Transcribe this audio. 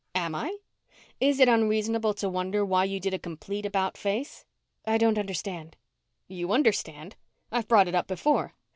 "Am I? Is it unreasonable to wonder why you did a complete about face?" "I don't understand." "You understand. I've brought it up before.